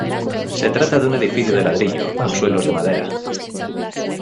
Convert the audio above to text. Se trata de un edificio de ladrillo, con suelos de madera.